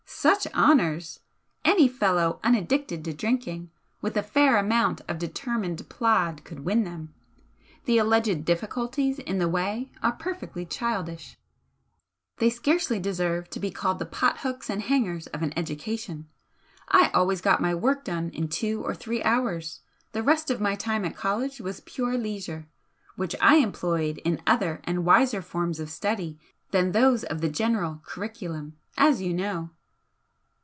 Such honours! Any fellow unaddicted to drinking, with a fair amount of determined plod could win them. The alleged 'difficulties' in the way are perfectly childish. They scarcely deserve to be called the pothooks and hangers of an education. I always got my work done in two or three hours the rest of my time at college was pure leisure, which I employed in other and wiser forms of study than those of the general curriculum as you know."